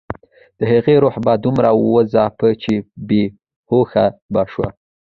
د هغې روح به دومره وځاپه چې بې هوښه به شوه